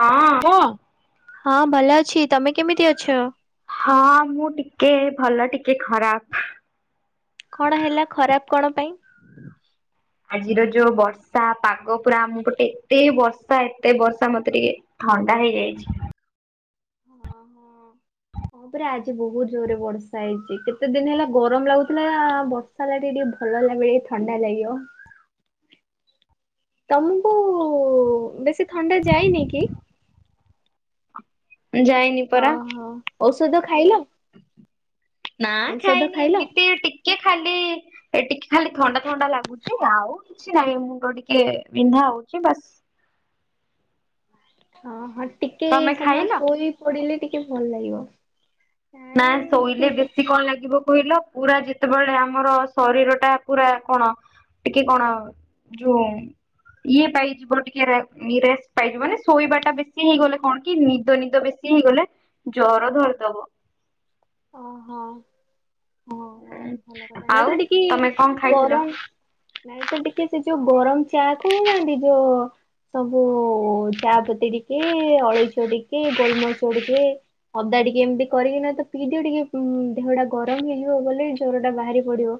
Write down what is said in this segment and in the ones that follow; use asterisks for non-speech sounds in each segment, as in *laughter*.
ହଁ କୁହ, ହଁ ଭଲ ଅଛି ତମେ କେମିତି ଅଛ? ହଁ ମୁଁ ଟିକେ ଭଲ ଟିକେ ଖରାପ୍, କଣ ହେଲା ଖରାପ୍ କଣ ପାଇଁ? ଆଜିର ଯୋଉ ବର୍ଷା ପାଗ ପୁରା ଆମ ପଟେ ଏତେ ବର୍ଷା ଏତେ ବର୍ଷା ମତେ ଟିକେ, ଥଣ୍ଡା ହେଇଯାଇଛି, ହଁ-ହଁ ଆଉ, ପରେ ଆଜି ବହୁତ୍ ଜୋର ରେ ବର୍ଷା ହେଇଛି କେତେ ଦିନ୍ ହେଲା ଗରମ ଲାଗୁଥିଲା ବର୍ଷ୍ ହେଲା ଟିକେ-ଟିକେ ଭଲ ଲାଗେ ଥଣ୍ଡା ଲାଗିବ, ତମକୁ ବେଶୀ ଥଣ୍ଡା ଯାଇନି କି? ଯାଇନି, ପରା ଓହୋ ଔଷଧ ଖାଇଲ? ନା ଔଷଧ ଖାଇନି ଖାଇଲ ଏମିତି ଟିକେ ଖାଲି, ଏ ଟିକେ ଖାଲି ଥଣ୍ଡା-ଥଣ୍ଡା ଲାଗୁଛି ଆଉ କିଛି ନାହିଁ ମୁଣ୍ଡ ଟିକେ ବିନ୍ଧା ହଉଛି ବାସ୍, ହଁ-ହଁ ଟିକେ ତମେ ସମୟ ଖାଇଲ? ଶୋଇ ପଡ଼ିଲେ ଟିକେ ଭଲ ଲାଗିବ, ନା ନାଇଁ ମୁଁ ଶୋଇଲେ ବି ବେଶୀ କିଛି କଁ ଲାଗିବ କହିଲ, ପୁରା ଯେତେବେଳେ ଆମର ଶରୀର ଟା ପୁରା କଣ ଟିକେ କଣ, ଯଉ, ଇଏ ପାଇଯିବ ଟିକେ ରେଷ୍ଟ୍ ଇଏରେ ପାଇଯିବ ମାନେ ଶୋଇବା ଟା ବେଶୀ ହେଇଗଲେ କଁ କି ନିଦ ନିଦ ବେଶ୍ ସିଏ ହେଇଗଲେ ଜର ଧରିଦବ, ଓହୋ ହଁ-ହଁ ଭଲ କଥା ଆଉ ଯଦି ଟିକେ ତମେ କଣ ଖାଇଥିଲ? ଗରମ, ନାଇଁ ତ ଟିକେ ସେ ଯୋଉ ଗରମ ଚା କହୁନାହାନ୍ତି ଯୋଉ ସବୁ, ହଉ ଚା ପତି ଟିକେ ଅଳେଇଚ ଟିକେ ଗୋଲମରିଚ ଟିକେ, ଅଦା ଟିକେ ଏମିତି କରିକି ନା ତ ପିଦଅ ଟିକେ ଉଁ ଦେହ ଟା ଗରମ ହେଇଯିବ ବୋଲି ଜ୍ୱର ଟା ବାହାରି ପଡ଼ିବ,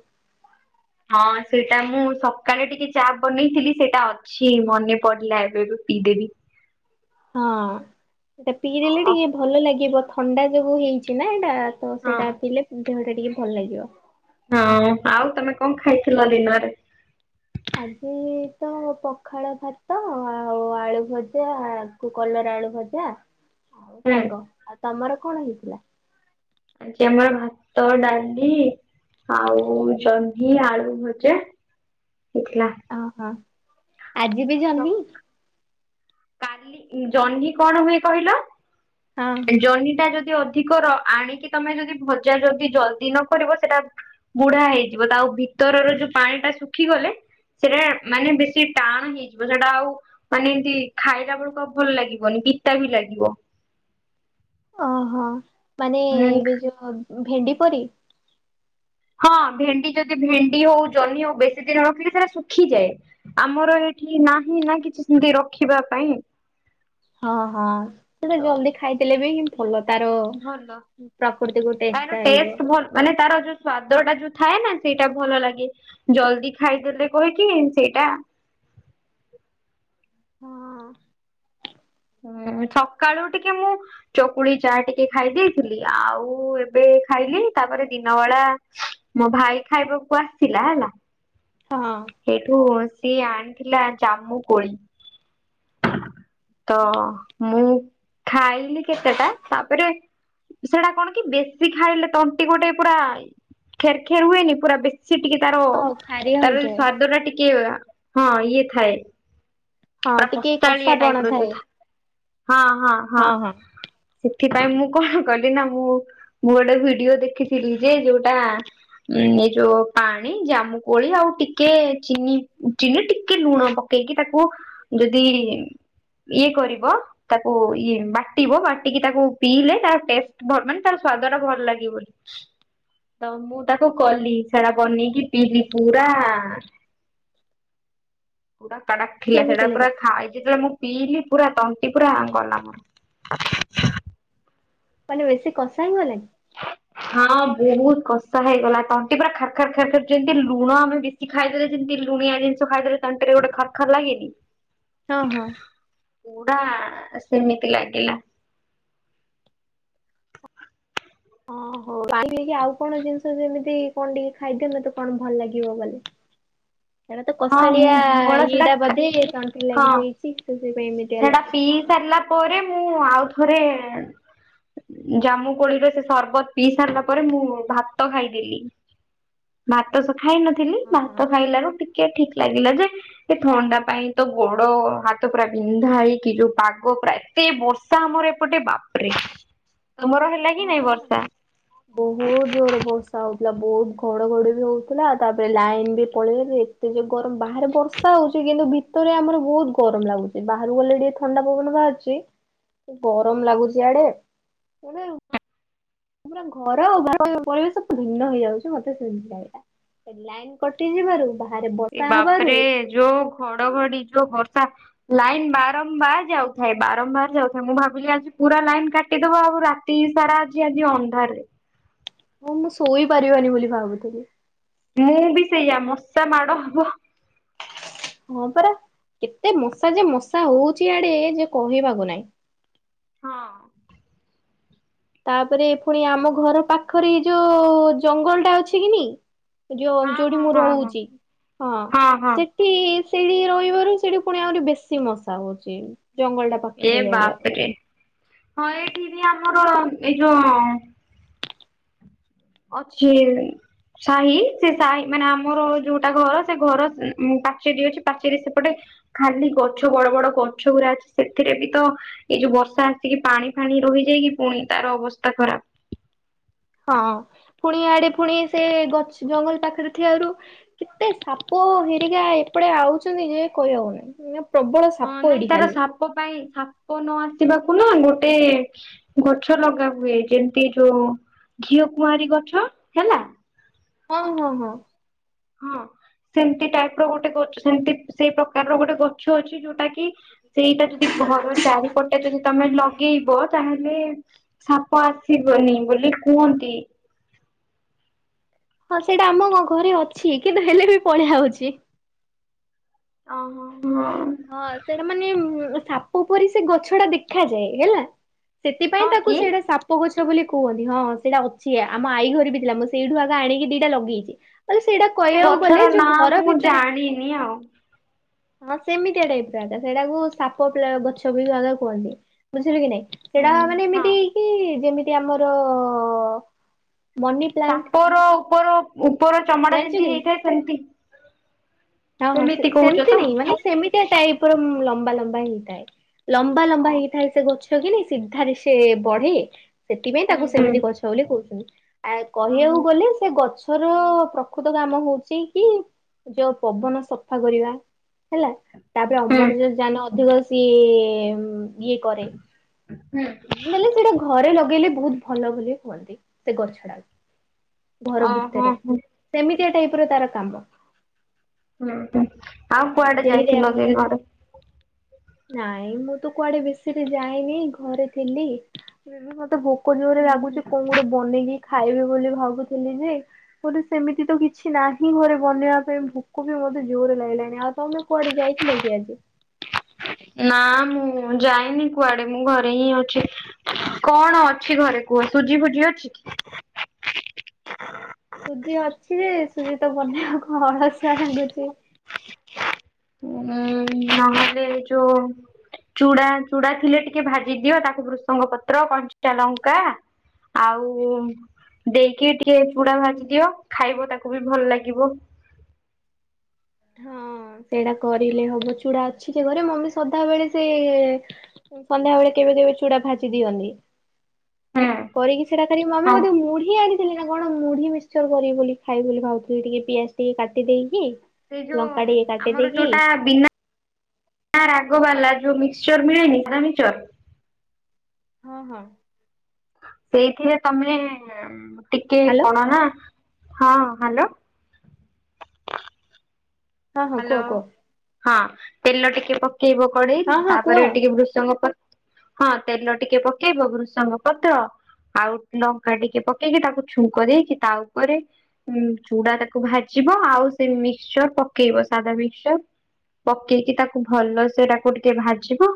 ହଁ ସେଇଟା ମୁଁ ସକାଳେ ଟିକେ ଚା ବନେଇଥିଲି ସେଇଟା ଅ ଛି ମନେ ପଡ଼ିଲା ଏବେ-ଏବେ ପିଇଦେବି, ହଁ ଏଟା ପିଇଦଲେ ହଁ ଟିକେ ଭଲ ଲାଗିବ ଥଣ୍ଡା ଯୋଗୁ ହେଇଛି ନା ଏଇଟା, ତ ହଁ ସେଇଟା ଥିଲେ ଦେହଟା ଟିକେ ଭଲ ଲାଗିଜିବ। ହଁ ଆଉ ତମେ କଁ ଖାଇଥିଲ ଦିନରେ? ଆଜି ତ ପଖାଳ ଭାତ ଆଉ ଆଳୁ ଭଜା ଆ, କୁ କଲରା ଆଳୁ ଭଜା ଆଉ ହୁଁ। ଶାଗ ଆଉ ତମର କଣ ହେଇଥିଲା? ଆଜି ଆମର ଭାତ ଡାଲି, ଆଉ ଜହ୍ନି ଆଳୁ ଭଜା ହେଇଥିଲା, ହଁ-ହଁ ଆଜି ବି ଜହ୍ନି? କାଲି ଇ ଜହ୍ନି କଣ ହୁଏ କହିଲ ହଁ। ଏ ଜହ୍ନିଟା ଯଦ୍ ଯିଏ ଅଧିକ ର ଆଣିକି ତମେ ଯଦି ଭଜା ଜଲଦି-ଜଲଦି ନ କରିବ ସେଇଟା, ବୁଢ଼ା ହେଇଯିବ ତା ଆଉ ଭିତରର ଯୋଉ ପାଣି ଟା ଶୁଖିଗଲେ, ସେଇଟା ମାନେ ବେଶୀ ଟାଣ ହେଇଯିବ ସେଟା ଆଉ ମାନେ ଏମତି, ଖାଇଲା ବେଳକୁ ଆଉ ଭଲ ଲାଗିବନି ପିତା ବି ଲାଗିବ, ଓହୋ ମାନେ ମୁଁ ଏବେ ଯୋଉ ଭେଣ୍ଡି ପରି, ହଁ ଭେଣ୍ଡି ଯଦି ଭେଣ୍ଡି ହଉ ଜହ୍ନି ହଉ ବେଶୀ ଦିନ ରଖିଲେ ସେଟା ଶୁଖିଯାଏ, ଆମର ଏଠି ନାହିଁ ନା କିଛି ସେମତି ରଖିବା ପାଇଁ, ହଁ-ହଁ ସେଟା ତ ଜଲଦି ଖାଇଥିଲେ ବି କିନ୍ ଭଲ ତାର ଭଲ। ପ୍ରକୃତିକୁ ଟେଷ୍ଟ ଆଇିବ। ମାନେ ତାର ଯୁ ସ୍ଵାଦ ଟା ଯୋଉ ଥାଏ ନା ସେଇଟା ଭଲ ଲାଗେ ଜଲଦି ଖାଇଦେଲେ କହେକି ସେଇଟା ହଁ। ସକାଳୁ ଉଠିକି ମୁଁ ଚକୁଳି ଚା ଟିକେ ଖାଇ ଦେଇଥିଲି ଆଉ ଏବେ ଖାଇଲି ତାପରେ ଦିନ ବଳା ମୋ ଭାଇ ଖାଇବାକୁ ଆସିଥିଲା ହେଲା। ହଁ। ସେଇଠୁ ସିଏ ଆଣିଥିଲା ଜାମୁ କୋଳି। ତ ମୁଁ ଖାଇଲି କେତେଟା ତାପରେ ସେଟା କଣ କି ବେଶୀ ଖାଇଲେ ତଣ୍ଟି ଗୋଟେ ପୁରା ଖେର ଖେର ହୁଏନି ପୁରା ବେଶୀ ସେ ଟିକେ ତାର ହଉ ଖାରିଆ ତାର ହେଇଯାଏ ସ୍ଵାଦ ଟା ଟିକେ ହଁ ଇଏ ଥାଏ। ହଁ ପୁରା ଟିକେ କଷା ପଶାଳିଆ ପଣ ଟାଇପ ର ଥାଏ। ଜୁ ହଁ ହଁ ହଁ। ସେଥିପାଇଁ ମୁଁ କଣ କଲି ନା ମୁଁ ମୁଁ ଗୋଟେ ଭିଡିଓ ଦେଖିଥିଲି ଯେ ଯୋଉଟା। ଉ ଏ ଯୋଉ ପାଣି ଜାମୁକୋଳି ଆଉ ଟିକେ ଚିନି ଚିନି ଟିକେ ଲୁଣ। ପକେଇକି ତାକୁ ଯଦି ଇଏ କରିବ ତାକୁ ଇଏ ବାଟିବ ବାଟିକି ତାକୁ ପିଇଲେ ତା ଟେଷ୍ଟ ମାନେ ତାର ସ୍ଵାଦ ଟା ଭଲ ଲାଗିବ ବୋଲି। ତ ମୁଁ ତାକୁ କଲି ସେଡା ବନେଇକି ପିଇଲି ପୁରା ପୁରା କାଡାକ ଥିଲା କେମିତି ସେରା ଲାଗେ ପୁରା ଖାଇକି ମୁଁ ପିଲି ପୁରା ତଣ୍ଟି ପୁରା ଗଲା ମୋର। ମାନେ ବେଶୀ କଷା ହେଇ ଗଲାକି। ହଁ ବହୁତ କଷ୍ଟ ହେଇଗଲା ତଣ୍ଟି ପୁରା ଖାର ଖାର ଖାର ଖର ଯେମିତି ଲୁଣ ଆମେ କିଛି ଖାଇଦେଲେ ଯେମତି ଲୁଣି ଜିଷ ଖାଇଦେଲେ ତାଣ୍ଟରେ ଗୋଟେ ଖାରଖାର ଲାଗେନି? ହଁ ହଁ। ପୁଡା ସେମିତି ଲାଗିଲା। ଓ ହୋ କାଲିକି ଆଉ କଣ ଜିନିଷ ଯେମିତି କଣ ଟିକେ ଖାଇଦିଅ ମତେ କଣ ଭଲ ଲାଗିବ ବୋଲି ସେଟା ତ ହଁ ମୁଁ କଷାଳିଆ ଦିନବେଳା ସେଟା ଇଏଟା ଖା ବଧେ ତଣ୍ଟି ହଁ ଲାଗିଯାଇଚି ତ ସେଇଥିପାଇ ଏମତି ସେଟା ପିଇ ସାରିଲା ପରେ ମୁଁ ଆଉଥରେ ଜାମୁ କୋଳିର ସେ ସରବତ ପିଇ ସାରିଲା ପରେ ମୁଁ ଭାତ ଖାଇଦେଲି। ଭାତ ତ ଖାଇ ନଥିଲି ହଁ ହଁ ଭାତ ଖାଇଲାରୁ ଟିକେ ଟ ଠିକ ଲାଗିଲା ଯେ ସେ ଥଣ୍ଡା ପାଇଁ ତ ଗୋଡ ହାତ ପୁରା ବିନ୍ଧା ହେଇକି ଯୋଉ ପାଗ ପୁରା ଏତେ ବର୍ଷା ଆମର ଏପଟେ ବାପରେ ତମର? ହଁ ପରା ବହୁତ ଜୋରରେ ବସ ଉ ବହୁତ ଘଡଘଡ ବି ହଉଥିଲା ତାପରେ ଲାଇନ ବି ପଳେଇଚି। ଗରମ ବାହାରେ ବର୍ଷା ହଉଛି କିନ୍ତୁ ଭି ଭୀତରେ ଆମର ବହୁତ ଗରମ ଲାଗୁଛି ବାହାରୁ ଗଲେ ଟିକେ ଥଣ୍ଡା ପବନ ବାହାରୁିଛି। ଗରମ ଲାଗୁଛି ଇଆଡେ। ତମ ଘର ଆଉ ବା ପରିବେଶ ସବୁ ଭିନ୍ନ ହେଇଯାଉଛି ମତେ ସେମିତି ଲାଗିଲା। ଲାଇନ୍ କଟି ଯିବାରୁ ବାହାରେ ଏ ବର୍ଷା ହବାରୁ ବାପରେ ଯୋଉ ଘଡଘଡି ଯୋଉ ବର୍ଷା ଲାଇନ୍ ବାରମ୍ବାର ଯାଉଥାଏ ବାରମ୍ବାର ଯାଉଥାଏ ମୁଁ ଭାବିଲି ଆଜି ପୁରା ଲାଇନ କାଟିଦବ ଆଉ ରାତି ରାତି ସାରା ଆଜି ଆଜି ଅନ୍ଧାର। ମୁଁ ମୁଁ ଶୋଇ ପାରିବନି ବୋଲି ଭାବୁଥିଲି। ମୁଁ ବି ସେଇଆ ମଶା ମାଡ ହବ। ହଁ ପରା କେତେ ମଶା ଯେ ମଶା ହଉଚି ଇଆଡେ ଯେ କହିବାକୁ ନାହିଁ। ହଁ। ତାପରେ ପୁଣି ଆମ ଘର ପାଖରେ ଏଇ ଯୋଉ ଜଙ୍ଗଲ ଟା ଅଛି କି ନାଇଁ। ଯଉ ହଁ ଯୋଉଠି ହଁ ମୁଁ ହଁ ହଁ ରହୁଛି ହଁ ସେ ସେଠି ରହିବାରୁ ସେଠି ପୁଣି ଆହୁରି ବେଶୀ ମଶା ହଉଚି ଜଙ୍ଗଲଟା ଏ ବାପରେ ହଁ ଏଇଠି ବି ଆମର ଏଇ ଯୋଉ ଅଛି ସାହି ସେ ସାହି ମାନେ ଆମର ଯୋଉଟା ଘର ସେ ଘର ପାଚେରୀ ଅଛି ପାଚେରୀ ସେପଟେ ଖାଲି ଗଛ ବଡ ବଡ ଗଛ ଗୁରା ଅଛି ସେଥିରେ ବି ତ ଏଇ ଯୋଉ ବର୍ଷା ଆସିକି ପାଣି ଫାଣି ରହିଯାଇକି ପୁଣି ତାର ଅବସ୍ଥା ଖରାପ। ହଁ ପୁଣି ଆଡେ ପୁଣି ସେ ଗଛ ଜଙ୍ଗଲ ପାଖରେ ଥିବାରୁ କେତେ ସାପ ହେରିକା ଏପଟେ ଆଉଚନ୍ତି ଯେ କହି ହଉନି। ହଁ ନାଇଁ ତାର ସାପ ପାଇଁ ସାପ ନ ଆସିବାକୁ ନା ଗୋଟେ ଗଛ ଲଗାନ୍ହୁଏ ଯେମତି ଯୋଉ ଘିଅ କୁଆଁରୀ ଗଛ ହେଲା ହ, ହ, ହ। ହଁ ସେମତି ଟାଇପ ର ଗୋଟେ ଗ ସେମତି ସେଇ ପ୍ରକାରର ଗୋଟେ ଗଛ ଅଛି ଯୋଉଟା କି ସେଇଟା ଯଦି ଘର ଚାରିପଟେ ଯଦି ତମେ ଲଗ ଲଗେଇବ ତାହେଲେ ସାପ ଆସିବନି ବୋଲି କୁହନ୍ତି। ହଁ ସେଇଟା ଆମ ଘରେ ଅଛି କିନ୍ତୁ ହେଲେ ବି ପଳେଇଆ ହଉଚି। ଓ ହୋ ହଉ। ହଁ ସେଟା ମାନେ ସାପ ପରି ସେ ଗଛ ଟା ଦେଖାଯାଏ ହେଲା। ସେଥିପାଇଁ ହଁ ତାକୁ କି ସେଇଟା ସା ସାପ ଗଛ ବୋଲି କୁହନ୍ତି ହଁ ସେଇଟା ଅଛି ଆମ ଆଈ ଘର ବି ଥିଲା ମୁଁ ସେଇଠୁ ଆଗ ଆଣିକି ଦିଇଟା ଲଗେଇଚି। ଆରେ ସେଇଟା କହିବାକୁ ଗଲେ ଯୋଉ ଘର ଭିତରେ ନି ଆଉ ହଁ ସେମିତିଆ ଟାଇପରଟା ସେଇଟାକୁ ସାପ ଗଛ ବିଗ କୁହନ୍ତି ବୁଝିଲେ କି ନାଇଁ। ହୁଁ ସେଇଟା ମାନେ ହଁ ଏମିତି କି ଯେମିତି ଆମର ମନି ପ୍ଲାଣ୍ଟ ସାପର ଉପର ଉପର ଚମଡା ଜାଣିଛୁ କି ଯେମିତି ନାଇଁ? ହେଇଥାଏ ସେମତି ହଁ ହଁ ସେମିତି ତ ନାଇଁ ମାନେ ଓ ସେମିତି ଟାଇପ ର ଲମ୍ବା ଲମ୍ବା ହେଇଥାଏ ଲମ୍ବା ଲମ୍ବା ହେଇଥାଏ ସେ ଗଛ ଗଛ କି ନାଇ ସିଧାରେ ସେ ବଢେ ସେଥିପାଇଁ ହୁଁ ତାକୁ ହୁଁ ସେମିତି ଗଛ ବୋଲି କହୁଛନ୍ତି। ଆ ହୁଁ କହିବାକୁ ଗଲେ ସେ ଗଛର ପ୍ରକୃତ କାମ ହଉଛି କି ଯୋଉ ପବନ ସଫା କରିବା ହେଲା ତାପରେ ହୁଁ ଅମଳଜ ଯାନ ଅଧିକ ସିଏ ଇଏ କରେ ହୁଁ। ମାନେ ସେଟା ଘରେ ଲଗେଇଲେ ବହୁତ ଭଲ ବୋଲି କୁହନ୍ତି ସେ ଗଛ ଟଡାକୁ ଘର ଓହୋ ଭିତରେ ହୁଁ ସେମିତିଆ ଟାଇପ ର ତାର କାମ। ହୁଁ ଆଉ ହଁ କୁଆଡେ ଯେମିତି ଯାଇଥିଲ କି ଆମର ଘରେ? ନାଇଁ ମୁଁ ତ କୁଆଡେ ବେଶୀ ବି ଯାଇନି ଘରେ ଥିଲି ମତେ ଭୋକ ଭୋକ ଜୋରେ ହୁଁ ଲାଗୁଚି ହୁଁ। କୋଣ ଗୋଟେ ବନେଇକି ଖାଇବି ବୋଲି ଭାବୁଥିଲି ଯେ ଏପଟେ ସେମିତି ତ କିଛି ନାହିଁ ଘରେ ବନେଇବା ପାଇଁ ଭୋକ ବି ମୋତେ ଜୋରରେ ଲାଗିଲାଣି। ଆଉ ତମେ କୁଆଡେ ଯାଇଥିଲ କି ଆଜି? ନା ମୁଁ ଯାଇନି କୁଆଡେ ମୁଁ ଘରେ ହିଁ ଅଛି। କଣ ଅଛି, ଘରେ କୁହ ସୁଜି ଫୁଜି ଅଛି। କି? *unintelligible* ସୁଜି ଅଛି ଯେ ସୁଜି ତ ବନେଇବା କୁ ଅଳସୁଆ ଲାଗୁଛି। ହୁଁ ନହେଲେ ଯୋ, ଚୁଡା, ଚୁଡା ଥିଲେ ଟିକେ ଭାଜି ଦିଅ ତାକୁ ଭୃସଙ୍ଗ ପତ୍ର କଞ୍ଚା ଲଙ୍କା, ଆଉ ଦେଇକି ଟିକେ ପୁଡା ଭାଜି ଦିଅ, ଖାଇବ ତାକୁ ବି ଭଲ ଲାଗିବ। ହଁ ସେଇଟା କରିଲେ ହବ, ଚୁଡା ଅଛି ଯେ ଘରେ ମମି ସଦାବେେଳେ ସେ ସନ୍ଧ୍ୟାବେେଳେ କେବେ କେବେ ଚୁଡାଭାଜି ଦିଅନ୍ତି। ହୁଁ କରିକି ସେଟା କରେ ମମି ହଁ। ବୋେଧେ ମୁଢି ଆଣିଚି। ନା କଣ ମୁଢି ମିକ୍ସଚର ର କରିବି ବୋଲି ଖାଇ ବୋଲି ଭାବୁଥିଲି, ଟିକେ ପିଆଜ ଟିକେ କାଟି ଦେଇେଇକି? ସେଇ ଯୋଉ ଆମର ଯୋଉଟା ବିନା, ବିନା ରାଗ ବାଲା ଯୋଉ ମିକ୍ସଚର ମିଳେନିା ଜାଣିଚ। ହଁ ହଁ ଏଇଥିରେ ତମେ ଟିକେ ହ୍ୟାଲୋ କଣ ନା ହଁ ହାଲୋ। ହଁ ହଁ ହାଲୋ, କୁହ କୁହ ହଁ ତେଲ ଟିକେ ପକେଇବ କଡେଇରେ ହଁ ହଁ କୁହ ତାପରେ ଟିକେ ଭୃଷଙ୍ଗ ପ ହଁ ତେଲ ଟିକେ ପକେଇବ ବୃଷଙ୍ଗ ପଟ ଆଉ ଲଙ୍କା ଟିକେ ପକେଇକି, ତାକୁ ଛୁଙ୍କ ଦେଇକି ତା ଉପରେ ହୁଁ ଚୁଡା ତାକୁ ଭାଜିବ ଆଉ ସେ ମିକ୍ସଚର ପକେଇବ ସାଧା ମିକ୍ସଚର। ପକେଇକି ତାକୁ ଭଲ ସେଟାକୁ ଟିକେ ଭାଜିବ।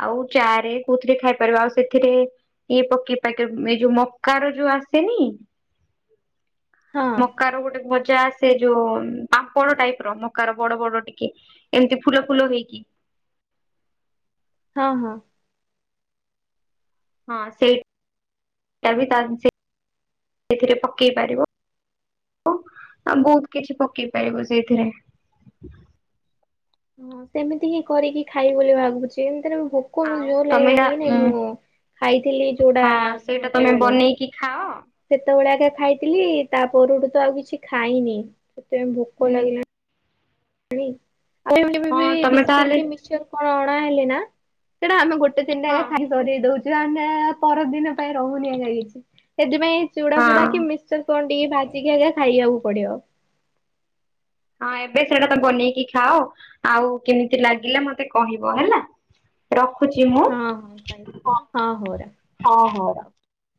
ଆଉ ଚା ରେ କୋଉଥିରେ ଖାଇପାରିବା ଆଉ ସେଥିରେ, ଏଇ ପକେଇ ପାକେଇ ଏଇ ଯୋଉ ମକାର ଯୋଉ ଆସେନି? *unintelligible* ମକାର ର ଗୋଟେ ଭଜା ଆସେ ଯୋଉ ପାମ୍ପଡ ଟାଇପ। ର ମକାର ବଡ ବଡ ଟିକେ ଏମିତି ଫୁଲ ଫୁଲ ହେଇକି? ହଁ ହଁ ହଁ ସେଇ, ଏଆ ବି ତା ସେଥିରେ ପକେଇ ପାରିବ। ହ ଓ ଆମେ ବହୁତ କିଛି ପକେଇ ପାରିବୁ ସେଇଥିରେ, ହଁ ସେମିତି ହିଁ କରିକି ଖାଇ ବୋଲି ଭାବୁଛି। ଏମିତି ରେ ଭୋକ ଆଉ ଜୋର ତମେ ନା ଲାଗିଲାଣି କି ନାଇଁ ଉଁ ମୁଁ ଖାଇଥିଲି ଚୁଡା ହଁ ସେଇଟା ଘଣ୍ଟେ ତମେ ବେଳେ। ବନେଇକି ଖାଅ। ସେତେବେଳେ ଆଗ ଖାଇଥିଲି ତା ପରଠୁ ତ ଆଉ କିଛି ଖାଇନି ସେଥିପାଇଁ ଭୋକ ଉଁ ଲାଗିଲାଣି? ଆମେ କେବେ ବି ହଁ ତମେ ବିଷ୍କୁଟ ତାହେଲେ କି ମିକ୍ସଚର କଣ ଅଣା ହେଲେ ନା ସେଟା ଆମେ ଗୋଟେ ଗୋଟେ ତିନିଟାା ହଁ ଖାଇ ସରେଇ ଦଉଛୁ ଆମେ ପରଦିନ ପାଇଁ ରହୁନି ଆଁକା କିଛି। ସେଥିପାଇଁ ଚୁଡା ଫୁଡା ହଁ କି ମିକ୍ସର କଣ ଟିକେ ଭାଜିକି ଆଜା ଖାଇବାକୁ ପଡିବ। ହଁ ଏବେ ସେଇଟା ତ ବନେଇକି ଖାଅ, ଆଉ କେମିତି ଲାଗିଲା ମତେ କହିବ ହେଲା। ରଖୁଛି ମୁଁ ହଁ କହିବି ହଁ ହଁ ହଉ ହଁ ର। ହଉ,